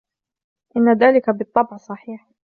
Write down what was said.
إن ذلك بالطبع صحيح.